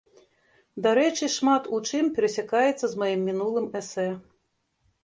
Дарэчы, шмат у чым перасякаецца з маім мінулым эсэ.